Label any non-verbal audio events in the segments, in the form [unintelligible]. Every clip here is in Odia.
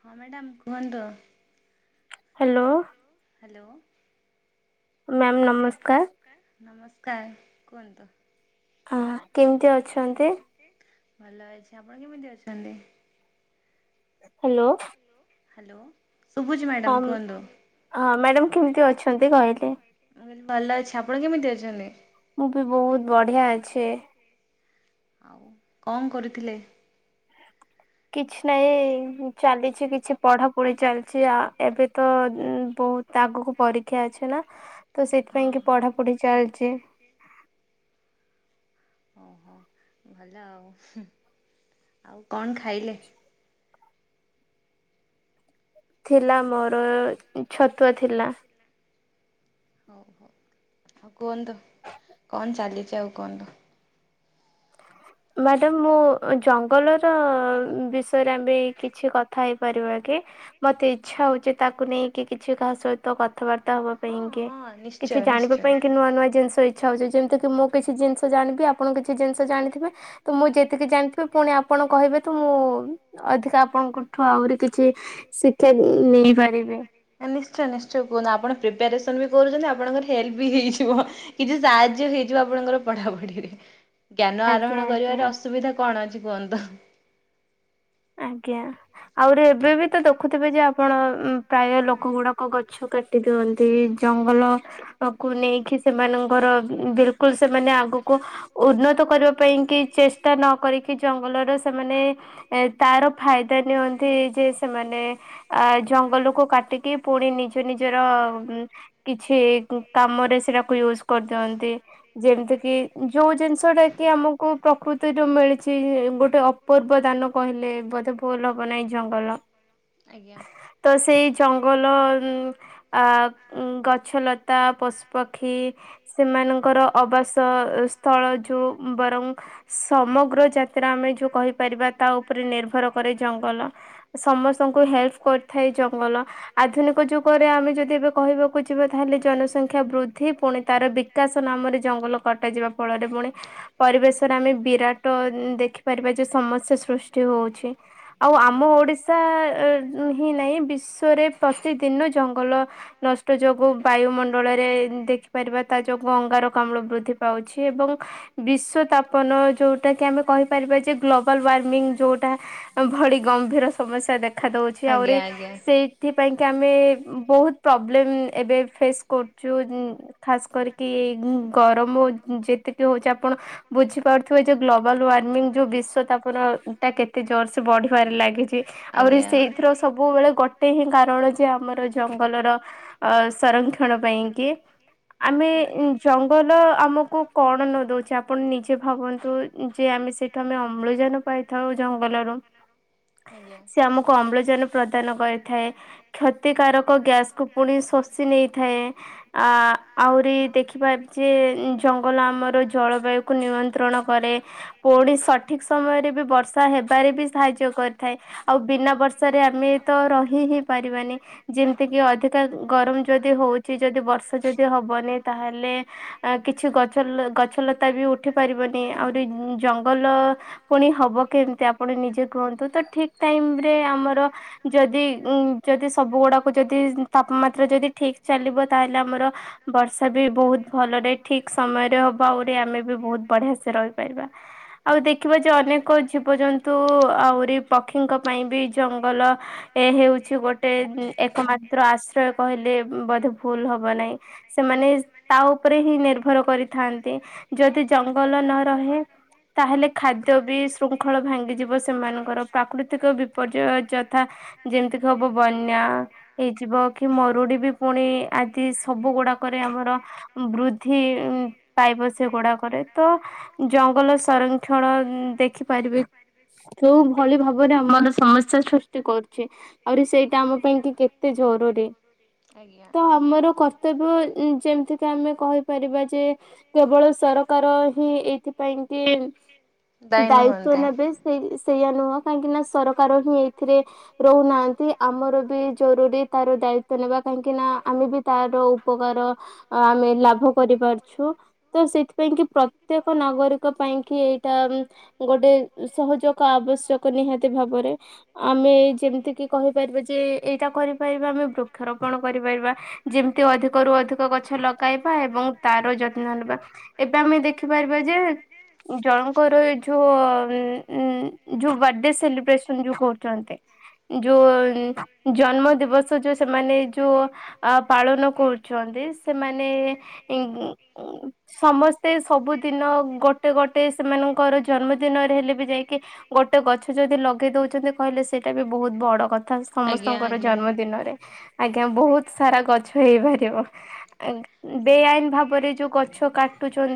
ହଁ ମ୍ୟାଡ଼ାମ କୁହନ୍ତୁ। ହ୍ୟାଲୋ। ହ୍ୟାଲୋ ମ୍ୟାମ୍ ନମସ୍କାର। ନମସ୍କାର କୁହନ୍ତୁ। ଆ କେମତି ଅଛନ୍ତି? ଭଲ ଅଛି ଆପଣ କେମିତି ଅଛନ୍ତି? ହ୍ୟାଲୋ। ହ୍ୟାଲୋ। ଶୁଭୁଛି ହଁ ମ୍ୟାଡ଼ାମ୍ କୁହନ୍ତୁ। ହଁ ମ୍ୟାଡାମ କେମିତି ଅଛନ୍ତି କହିଲେ? ମୁଁ କହିଲି ଭଲ ଅଛି। ଆପଣ କେମିତି ଅଛନ୍ତି? ମୁଁ ବି ବହୁତ ବଢିଆ ଅଛି। ଆଉ କଣ କରୁଥିଲେ? କିଛି ନାହିଁ ଏଇ ଚାଲିଛି କିଛି ପଢାପଢି ଚାଲିଛି ଆ ଏବେ ତ ଉଁ ହଉ ତ ଆଗକୁ ପରୀକ୍ଷା ଅଛି ନା? ତ ହଁ। ସେଇଥିପାଇଁ କି ହଁ। ପଢା ଲପଢି ଚାଲଚି। ଓହୋ। ଭଲ ଆଉ। ଆଉ କଣ ଖାଇଲେ? ଥିଲା ମୋର ଛତୁଆ ଥିଲା। ହଉ ହଉ ଆଉ କୁହନ୍ତୁ କଣ ଚାଲିଚି ଆଉ କୁହନ୍ତୁ। ମ୍ୟାଡାମ ମୁଁ ଜଙ୍ଗଲର ବିଷୟରେ ଆମେ କିଛି କଥା ହେଇପାରିବା କି? ମତେ ଇଚ୍ଛା ହଉଚି ତାକୁ ନେଇକି କିଛି କାହା ସହିତ କଥାବାର୍ତ୍ତା ହବା ହଁ ପାଇଁକି। ହଁ କିଛି ନିଶ୍ଚୟ ଜାଣିବା ନିଶ୍ଚୟ। ପାଇଁକି ନୂଆ ନୂଆ ଜିନିଷ ଇଚ୍ଛା ହଉଛି ଯେମିତିକିି ମୁଁ କିଛି ଜିନିଷ ଜାଣିବି ଆପଣ କିଛି ଜିନିଷ ଜାଣିଥିବେ, ତ ମୁଁ ଯେତିକି ଜାଣିଥିବି ପୁଣି ଆପଣ କହିବେ ତ ମୁଁ ଅଧିକା ଆପଣଙ୍କଠୁ ଆହୁରି କିଛି ଶିକ୍ଷା ନେଇ ନିଶ୍ଚୟ ନିଶ୍ଚୟ କୁହନ୍ତୁ ଆପଣ ପ୍ରିପାରେସନ୍ ରେସନ୍ ବି କରୁଛନ୍ତି, ଆପଣଙ୍କର ହେଲ୍ପ ବି ହେଇଯିବ, କିଛି ସାହାଯ୍ୟ ହେଇଯିବ ଆପଣଙ୍କର ପଢାପଢିରେ। ଜ୍ଞାନ ଆଜ୍ଞା ଆହରଣ ଆଜ୍ଞା। କରିବାର ଅସୁବିଧା କଣ ଅଛି କୁହନ୍ତୁ? ଆଜ୍ଞା। ଆହୁରି ଏବେ ବି ତ ଦେଖୁଥିବେ ଯେ ଆପଣ ପ୍ରାୟ ଲୋକ ଗୁଡାକ ଗଛ କାଟି ଦିଅନ୍ତି, ଜଙ୍ଗଲକୁ ନେଇକି ସେମାନଙ୍କର ବିଲକୁଲ ସେମାନେ ଆ କୁ ଉନ୍ନତ କରିବା ପାଇଁକି ଚେଷ୍ଟା ନ କରିକି ଜଙ୍ଗଲର ସେମାନେ ଏ ତାର ଫାଇଦା ନିଅନ୍ତି ଯେ, ସେମାନେ ଆ ଜଙ୍ଗଲକୁ କାଟିକି ପୁଣି ନିଜ ନି ନିଜର କିଛି କାମରେ ସେଟାକୁ ୟୁଜ କରିଦିଅନ୍ତି। ଯେମତିକି କି ଯୋଉ ଜିନିଷଟା କି ଆମକୁ ପ୍ରକୃତିରେ ମିଳିଚି ଗୋଟେ ଅପୂର୍ବ ଦାନ କହିଲେ ବୋଧେ ଭୁଲ ହବ ନାହିଁ ଜଙ୍ଗଲ। ଆଜ୍ଞା। ତ ସେଇ ଜଙ୍ଗଲ ଆ ଗଛଲତା, ପଶୁପକ୍ଷୀ ସେମାନଙ୍କର ଅବାସ ସ୍ଥଳ ଯୋଉ ବରଂ ସମଗ୍ର ଯାତ୍ରା ଆମେ ଯୋଉ କହିପାରିବା ତା ଉପ ରେ ନିର୍ଭର କରେ ଜଙ୍ଗଲ, ସମସ୍ତଙ୍କୁ ହେଲ୍ପ କରିଥାଏ ଜଙ୍ଗଲ। ଆଧୁନିକ ଯୁଗ ରେ ଆମେ ଯଦି ଏବେ କହିବାକୁ ଯିବା ତାହେଲେ, ଜନସଂଖ୍ୟା ବୃଦ୍ଧି ପୁଣି ତାର ବିକାଶ ନାମରେ ଜଙ୍ଗଲ କଟ କଟା ଯିବା ଫଳରେ ପୁଣି ପରିବେଶରେ ଆମେ ବିରାଟ ଦେଖିପାରିବା ଯେ ସମସ୍ୟା ସୃଷ୍ ଷ୍ଟି ହଉଛି। ଆଉ ଆମ ଆଜ୍ଞା। ଓଡିଶା ହିଁ ନାହିଁ ବିଶ୍ୱରେ ପ୍ରତିଦିନ ଜଙ୍ଗଲ ନଷ୍ଟ ଯୋଗୁଁ ବାୟୁମଣ୍ଡଳରେ ଦେଖିପାରିବା ତା ଯୋଗୁଁ ଅଙ୍ଗାରକାମ୍ଳ ବୃଦ୍ଧି ପାଉଛି ଏବଂ ବିଶ୍ୱ ତାପନ ଯୋଉଟା କି ଆମେ କହିପାରିବା ଯେ ଗ୍ଲୋବାଲୱାର୍ମିଂ ଯୋଉଟା ଭଳି ଗମ୍ଭୀର ସମସ୍ୟା ଦେଖା ଦଉଛି ଆଜ୍ଞା ଆହୁରି। ଆଜ୍ଞା ଆଜ୍ଞା ସେଇଥିପାଇଁ କି ଆମେ ବହୁତ ପ୍ରୋବ୍ଲେମ୍ ଏବେ ଫେସ୍ କରଚୁ, ଖାସ୍ କରିକି ଗରମ ହଉ ଯେତିକି ହଉଛି ଆପଣ ବୁଝିପାରୁଥିବେ ଯେ ଗ୍ଲୋବାଲ୍ ୱାର୍ମିଂ ଯୋଉ ବିଶ୍ୱ ତାପନ ଟା କେତେ ଜୋରସେ ବଢିବାରେ ଲାଗିଛି, ଆହୁରି ଆଜ୍ଞା। ସେଇଥିର ସବୁବେଳେ ଗୋଟେ ହିଁ କାରଣ ଯେ ଆମର ଜଙ୍ଗଲର ଅ ସଂରକ୍ଷଣ ପାଇଁକି ଆମେ ଜଙ୍ଗଲ ଆମକୁ କଣ ଣ ଦଉଛି ଆପଣ ନିଜେ ଭାବନ୍ତୁ, ଯେ ଆମେ ସେଇଠୁ ଆମେ ଅମ୍ଳଜାନ ପାଇ ଜଙ୍ଗଲରୁ ଆଜ୍ଞା ସେ ଆମକୁ ଅମ୍ଳଜାନ ପ୍ରଦାନ କରିଥାଏ। କ୍ଷତିକାରକ ଗ୍ୟାସକୁୁ ପୁଣି ଶୋଷି ନେଇଥାଏ। ଆ ଆହୁରି ଦେଖିିବା ଯେ ଜଙ୍ଗଲ ଆମର ଜଳବାୟୁ କୁ ନିୟନ୍ତ୍ରଣ କରେ ପୁଣି ସଠିକ ସମୟରେ ବି ବର୍ଷ ବାରେ ବି ସାହାଯ୍ୟ କରିଥାଏ ଆଉ ବିନା ବର୍ଷରେ ଆମେ ତ ରହି-ହି ପାରିବାନି ଯେମତି ଅଧିକା ଗରମ ଯଦି ହଉଛି ଯଦି ବର୍ଷା ଯଦି ହବନି ତାହେଲେ କିଛି ଗ-ଗଛଲତା ବି ଉଠି ପାରିବନି ଆହୁରି ଜଙ୍ଗଲ ପୁଣି ହବ। କେମିତି ଆପଣ ନିଜେ କୁହନ୍ତୁ ତ ଠିକ୍ ଟାଇମ ରେ ଆମର ଯଦି-ଯଦି ସବୁ ଗୋ [unintelligible] ଯଦି ତାପମାତ୍ରା ଯଦି ଠିକ ଚାଲିବ ତାହେଲେ ଆମର ବର୍ଷା ବି ବହୁତ ଭଲରେ ଠିକ ସମୟରେ ହବ ଆହୁରି ଆମେ ବି ବହୁତ ବଢିଆ ସେ ରହିପାରିବା। ଆଉ ଦେଖିବା ଯେ ଅନେକ ଜୀବଜନ୍ତୁ ଆହୁରି ପକ୍ଷୀଙ୍କ ପାଇଁ ବି ଜଙ୍ଗଲ ଏ ହେଉଛି ଗୋଟେ ଏକମାତ୍ର ଆଶ୍ରୟ କହିଲେ ବୋଧେ ଭୁଲ ହବ ନାହିଁ। ସେମାନେ ତା ଉପରେ ହିଁ ନିର୍ଭର କରିଥାନ୍ତି ଯଦି ଜଙ୍ଗଲ ନ ରହେ ତାହେଲେ ଖାଦ୍ୟ ବି ଶୃ ଖଳ ଭାଙ୍ଗିଯିବ ସେମାନଙ୍କର ପ୍ରାକୃତିକ ବିପର୍ଯ୍ୟୟ ଯଥା ଯେମିତିକ ହବ ବନ୍ୟା ହେଇଯିବ କି ମରୁଡି ବି ପୁଣି ଆଦି ସବୁ ଗୁଡାକରେ ଆମର ବୃଦ୍ଧି ପାଇବ ସେ ଗୁଡାକରେ ତ ଜଙ୍ଗଲ ସଂରକ୍ଷଣ ଦେଖି ପାରିବେ। ସବୁ ଭଳି ଭାବରେ ଆମର ସମସ୍ୟା ସୃଷ୍ଟି କରୁଛି ଆହୁରି ସେଇଟା ଆମ ପାଇଁ କି କେତେ ଜରୁରୀ ଆଜ୍ଞା। ତ ଆମର କର୍ତ୍ତବ୍ୟ ଯେମିତିକ ଆମେ କହିପାରିବା ଯେ କେବଳ ସରକାର ହିଁ ଏଇଥିପାଇଁ କି ଦାୟୀ ଦାୟି। ନୁହନ୍ତି। ନେବେ ସେଇ ସେଇଆା ନୁହଁ କାହିଁକି ନା ସରକାର ହିଁ ଏଥିରେ ରହୁନାହାନ୍ତି ଆମର ବି ଜରୁରୀ ତାର ଦାୟିତ୍ଵ ନେବା କାହିଁକି ନା ଆମ ବି ତାର ଉପକାର ଆମେ ଲାଭ କରିପାରୁଛୁ ତ ସେଥିପାଇଁ କି ପ୍ରତ ପ୍ରତ୍ୟକ ନାଗରିକ ପାଇଁ କି ଏଇଟା ଗୋଟେ ସହଯୋଗ ଆବଶ୍ୟକ ନିହାତି ଭାବରେ। ଆମେ ଯେମିତି କି କହିପାରିବା ଯେ ଏଇଟା କରିପାରିବା ଆମେ ବୃକ୍ଷରୋପଣ କରିପାରିବା। ଯେମିତି ଅଧିକରୁୁ ଅଧିକ ଗଛ ଲଗାଇବା ଏବଂ ତାର ଯତ୍ନ ନେବା ଏବେ ଆମେ ଦେଖିପାର ବା ଯେ ଜଣଙ୍କର ଯୋଉ ବାଡେ ସେଲିବ୍ରେସନ ଯୋଉ କରୁଛନ୍ତି ଯୋଉ ଜନ୍ମ ଦିବସ ଯୋଉ ସେମାନେ ଯୋଉ ଅ ପାଳନ କରୁଛନ୍ତି ସେମାନେ ସମସ୍ତେ ସବୁ ଦିନ ଗୋଟେ-ଗୋଟେ ସେମାନଙ୍କର ଜନ୍ମ ଦିନରେ ହେଲେ ବି ଯାଇକି ଗୋଟେ ଗଛ ଯଦି ଲଗେଇ ଦଉଛନ୍ତି କହିଲେ ସେଇଟା ବି ବହୁତ ବଡ କଥା ଆଜ୍ଞା ସମସ୍ତଙ୍କର ଆଜ୍ଞା। ଜନ୍ମଦିନରେ ଆଜ୍ଞା ବହୁତ ସାରା ଗଛ ହେଇପାରିବ ନା। ବେଆଇନ ଭାବରେ ଯୋଉ ଗଛ କାଟୁଛନ୍ତି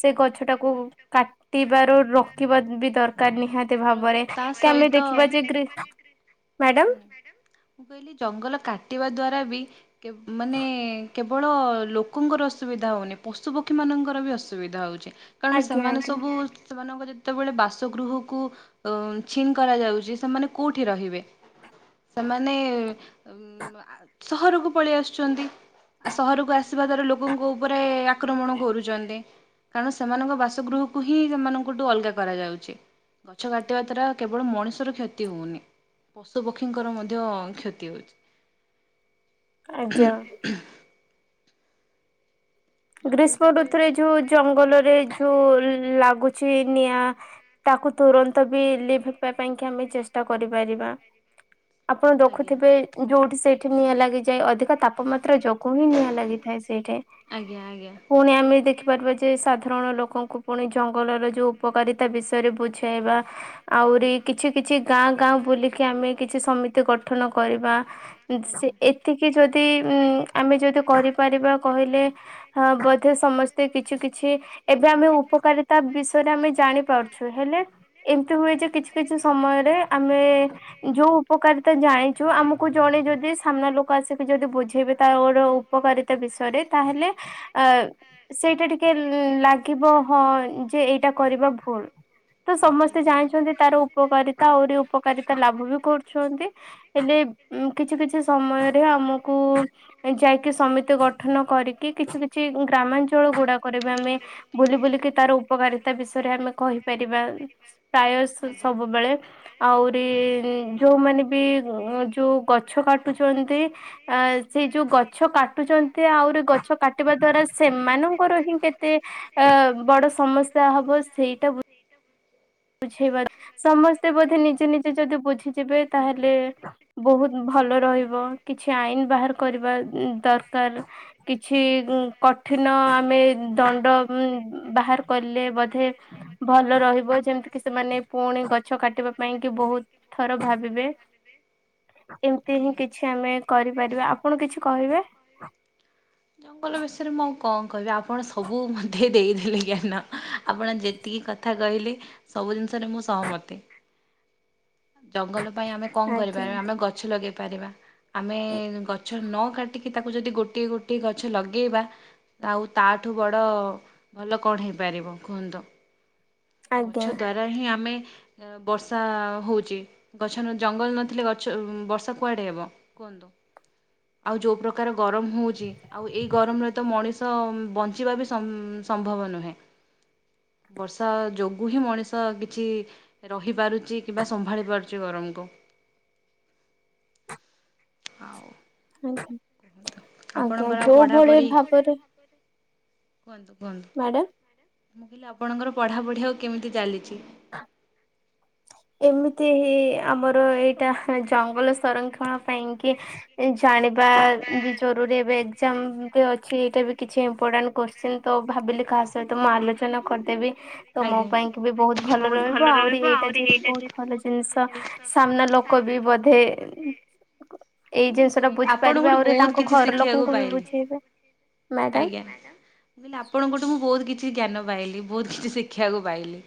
ସେ ଗଛ ଟାକୁ କାଟି ରୋକିବା ବି ଦରକାର ନିହାତି ଭାବରେ। ତା କି ଆମେ ସହିତ ମୁଁ ଦେଖିବା ଯେ ଗ୍ରୀ ମ୍ୟାଡାମ କହିଲି ଜଙ୍ଗଲ କାଟିବା ଦ୍ଵାରା ବି କି ମାନେ କେବଳ ଲୋକଙ୍କର ଅସୁବିଧା ହଉନି ପଶୁପକ୍ଷୀମାନଙ୍କର ବି ଅସୁବିଧା ହଉଛି। କାରଣ ଆଜ୍ଞା ସେମାନେ ଆଜ୍ଞା। ସବୁ ସେମାନଙ୍କ ଯେତେବେଳେ ବାସଗୃହକୁ ଉଁ ଛିନ୍ କରାଯାଉଛି ସେମାନେ କେଉଁଠି ରହିବେ? ସେମାନେ ଉଁ ସହରକୁ ପଳେଇ ଆସୁଛନ୍ତି। ଆ ସହରକୁ ଆସିବା ଦ୍ଵାରା ଲୋକଙ୍କ ଉପରେ ଆକ୍ରମଣ କରୁଛନ୍ତି। କାରଣ ସେମାନଙ୍କ ବାସଗୃହକୁ ହିଁ ସେମାନଙ୍କଠୁ ଅଲଗା କରାଯାଉଛି ଗଛ କାଟିବା ଦ୍ଵାରା କେବଳ ମଣିଷର କ୍ଷତି ହଉନି, ପଶୁ ପକ୍ଷୀଙ୍କର ମଧ୍ୟ କ୍ଷତି ହଉଚି। ଆଜ୍ଞା। ଜଙ୍ଗଲ ଗ୍ରୀଷ୍ମ କାଟି ଋତୁରେ ଯୋ ଜଙ୍ଗଲରେ ଯୋଉ ଲାଗୁଛି ଛି ନିଆଁ ତାକୁ ତୁରନ୍ତ ବି ଲିଭେଇବା ପାଇଁ କି ଆମେ ଚେଷ୍ଟା କରିପାରିବା। ଆପଣ ଆଜ୍ଞା। ଦଖୁଥିବେ ଯୋଉଠି ସେଇଠି ନିଆଁ ଲାଗିଯାଏ ଅଧିକ ତାପମାତ୍ରା ଯୋଗୁ ହିଁ ନିଆଁ ଲାଗିଥାଏ ସେ ଯେ ଆଜ୍ଞା ଆଜ୍ଞା। ପୁଣି ଆମେ ଦେଖିପାରିବା ଯେ ସାଧାରଣ ଲୋକଙ୍କୁ ପୁଣି ଜଙ୍ଗଲର ଯୋଉ ଉପକାରିତା ବିଷୟରେ ବୁଝାଇବା ଆହୁରି କିଛି କିଛି ଗାଁ-ଗାଁ ବୁଲିକି ଆମେ କିଛି ସଁ ମିତି ଗଠନ କରିବା। ଉଁ ସେ ଆଜ୍ଞା। ଏତିକି ଯଦି ଉଁ ଆମେ ଯଦି କରିପାରିବା କହିଲେ ହ ବୋଧେ ସମସ୍ତେ କିଛି-କିଛି ଏବେ ଆମେ ଉପକାରିତା ବିଷୟରେ ଆମେ ଜା ଜାଣି ପାରୁଛୁ ହେଲେ ଏମତି ହୁଏ ଯେ କିଛି-କିଛି ସମୟରେ ଆମେ ଯୋଉ ଉପକାରିତା ତୁ ତ ଜାଣିଛୁ ଆମକୁ ଜଣେ ଯଦି ସାମ୍ନା ଲୋକ ଆସିକି ଯଦି ବୁଝେଇବେ ତାର ଉପକାରିତା ବିଷୟରେ ତାହେଲେ ଏ ସେଇଟା ଟିକେ ଲାଗିବ ହଁ ଯେ ଏଇଟା କରିବା ଭୁଲ। ତ ସମସ୍ତେ ଜାଣିଛନ୍ତି ତାର ଉପକାରିତା ଆହୁରି ଉପକାରିତା ଲାଭ ବି କରୁଛନ୍ତି ହେଲେ କିଛି କିଛି ସମୟରେ ଆମକୁ ଯାଇକି ସମିତି ଗଠନ କରିକି କିଛି କିଚ କି ଗ୍ରାମାଞ୍ଚଳ ଗୁଡାକରେ ଆମେ ବୁଲି ବୁଲିକି ତାର ଉପକାରିତା ବିଷ ରେ ଆମେ କହିପାରିବା ପ୍ରାୟ ସ ଆଜ୍ଞା ଆଜ୍ଞା। ସବୁବେଳେ ଆହୁରି ଯୋଉମାନ ବି ଯୋଉ ଗଛ କାଟୁଛନ୍ତି ଆ ସେଇ ଯୋଉ ଗଛ କାଟୁଚନ୍ତି ଆ ଆହୁରି ଗଛ କା କାଟିବା ଦ୍ଵାରା ସେମାନଙ୍କର ହିଁ କେତେ ଆ ବଡ ସମସ୍ୟା ହବ ସେଇଟା ବୁ ବୁଝେଇବା ସମସ୍ତେ ବୋଧେ ନିଜେ ନିଜେ ଯଦି ବୁଝିଯିବେ ଆଜ୍ଞା। ତାହେଲେ ବହୁତ ଭ ଭଲ ରହିବକିଛି ଆଇନ ବାହାର କରିବା ଦରକାର କିଛି କଠିନ ନ ଆମେ ଦଣ୍ଡ ବାହାର କଲେ ବୋଧେ ଭଲ ରହିବ ଯେମିତ କି ସେମାନେ ପୁଣି ଗଛ କାଟିବା ପାଇଁ କି ବହୁତ ଥର ଭାବିବେ ଏମିତି ହିଁ କିଛି ଆମେ କରିପାରିବା ଆପଣ କିଛି କହିବେ ଜଙ୍ଗଲ ବିଷୟରେ ମୁଁ ଆଉ କଣ କହିବି ଆପଣ ସବୁ ମତେ ଦେଇଦେଲେ ଜ୍ଞାନ ଆପଣ ଯେତିକି କଥା କହିଲେ ସବୁ ଜିନିଷରେ ମୁଁ ସହମତି। ଜଙ୍ଗଲ ପାଇଁ ଆମେ କଣ କରିବା ଆଜ୍ଞା ଆମେ ଗଛ ଲଗେଇ ପାରିବା ଆମେ ଗଛ ନ କାଟି କି ତାକୁ ଯଦି ଗୋଟିଏ ଗୋଟିଏ ଗଛ ଲଗେଇବା ଆଉ ତାଠୁ ବଡ ଭଲ କଣ ହେଇପା ପାରିବ କୁହନ୍ତୁ ଆଜ୍ଞା ଗଛ ଦ୍ଵାରା ହିଁ ଆମେ ବର୍ଷା ହଉଛି ଗଛ ଜଙ୍ଗଲ ନଥିଲେ ଗଛ ବର୍ଷା କୁଆଡେ ହେବ କୁହ ଆଉ ଯଉ ପ୍ରକାର ଗରମ ହଉଛି ଆଉ ଏଇ ଗରମରେ ତ ମଣିଷ ବଞ୍ଚିବା ବି ସମ ସମ୍ଭବ ନୁହେଁ ବର୍ଷା ଯୋଗୁ ହିଁ ମଣିଷ କିଛି ରହିପାରୁଛି କିମ୍ବା ସମ୍ଭାଳି ପାରୁଚି ଗରମ କୁ। ଆଉ ଆଜ୍ଞା ଆପଣଙ୍କର ଆଉ ଯୋଉ ଭଳି ପଢ଼ାପଢ଼ି ଭାବରେ କୁହନ୍ତୁ ମ୍ୟାଡାମ କୁହନ୍ତୁ ମୁଁ କହିଲି ଆପଣଙ୍କର ପଢ଼ାପଢ଼ି ଆଉ କେମିତି ଚାଲିଛି? ହେ ଏମିତି ଆମର ଏଇଟା ଜଙ୍ଗଲ ସଂରକ୍ଷଣ ପାଇଁ କି ଏଇ ଜାଣି ବା ବି ଜରୁରୀ ଏବେ ଏକ୍ଜାମ ବି ଅଛି ଏଇଟା ବି କିଛି ଇମ୍ପୋର୍ଟାଣ୍ଟ କୋଶ୍ଚେନ୍ ତ ଭାବିଲି କାହା ସହ ମୁଁ ଆଲୋଚନା କରିଦେବି। ତ ମୋ ପାଇଁ କି ବି ବୋହୁତ୍ ବୋହୁତ୍ ଭଲ ରହିବ ଆହୁରି [unintelligible] ସାମ୍ନା ଲୋକ ବି ବୋଧେ ଏଇ ହଁ ଜିନିଷ ଟା ମୁଁ ବୁଝିପାରିବେ ଆପଣଙ୍କ ଠୁ ଆହୁରି ବୋହୁତ ତାଙ୍କ କିଛି ଘର ଶିଖି ବାକୁ ଲୋକଙ୍କୁ ବି ପାଇଲି। ବୁଝେଇବେ ମ୍ୟାଡାମ ଆଜ୍ଞା ମ୍ୟାଡାମ୍ ମୁଁ କହିଲି ଆପଣଙ୍କ ଠୁ ମୁଁ ବୋ ବହୁତ କିଛି ଜ୍ଞାନ ପାଇଲି ବୋହୁତ କିଛି ଶିଖି ବାକୁ ପାଇଲି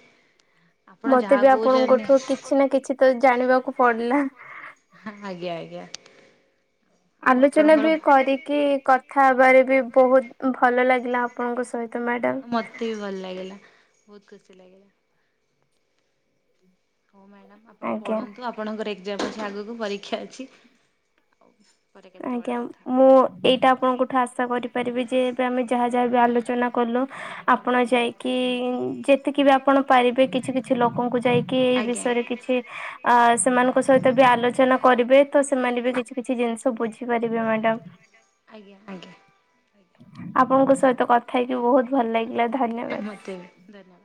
ଆପଣ ମତେ ଯାହା ବି ଆପଣଙ୍କ କହୁଛନ୍ତି ଠୁ କିଛି ନା କିଛି ତ ଜାଣି ବାକୁ ପଡିଲା। ଆଜ୍ଞା ଆଜ୍ଞା ଆଉ ଆଲୋଚନା ଆପଣଙ୍କର ବି କରିକି କଥା ହେବାରେ ବି ବୋହୁତ୍ ଭଲ ଲାଗିଲା ଆପଣଙ୍କ ସ ମତେ ବି ଭଲ ଲାଗିଲା ବହୁତ ଖୁସି ଲାଗିଲା ହଉ ମ୍ୟାଡ଼ାମ୍ ଆପଣ ଆଜ୍ଞା ପଢନ୍ତୁ ଆପଣଙ୍କର ଏକ୍ସାମ୍ ଅଛି ଆଗକୁ ପରୀକ୍ଷା ଅଛି। ପରେ କେତେବେଳେ ଆଜ୍ଞା କଥା ହବା। ମୁଁ ଏଇଟା ଆପଣଙ୍କ ଠୁ ଆଶା କରିପାରିବି ଯେ ଏବେ ଆମେ ଯାହା ଯାହା ବି ଆଲୋଚନା କର ଆପଣ ଯାଇକି ଯେତିକି ବି ଆପଣ ପାରିବେ କିଛି କିଛି ଲୋକଙ୍କୁ ଯାଇ କି ଏଇ ବିଷୟରେ କିଛି ଆ ସେମାନଙ୍କ ବିଷୟରେ ବି ଆଲୋଚନା କରିବେ ସେମାନେ ବି କିଛି କିଛି ଜିନିଷ ବୁଝିପାରିବେ ମ୍ୟାଡ଼ାମ୍ ଆଜ୍ଞା ଆଜ୍ଞା। ଆଜ୍ଞା। ଆପଣଙ୍କ ସହିତ କଥା ହେଇକି ବହୁତ ଭଲ ଲାଗିଲା ମତେ ବି ଧନ୍ୟବାଦ। ଧନ୍ୟବାଦ।